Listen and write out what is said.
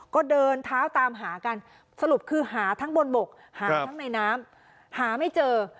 ก็เดินเท้าตามหากันสรุปคือหาทั้งบนบกหาทั้งในน้ำหาไม่เจอ